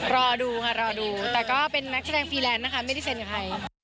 รอดูค่ะรอดูแต่ก็เป็นนักแสดงฟรีแลนด์นะคะไม่ได้เซ็นกับใคร